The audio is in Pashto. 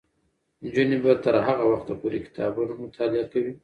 نجونې به تر هغه وخته پورې کتابونه مطالعه کوي.